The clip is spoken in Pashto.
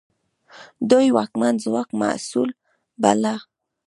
دوی واکمن ځواک مسوول باله.